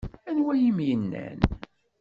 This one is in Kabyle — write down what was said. Anwa ay am-yennan?